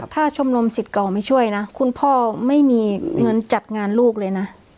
ถ้าชมรมสิทธิ์เก่าไม่ช่วยนะคุณพ่อไม่มีเงินจัดงานลูกเลยนะ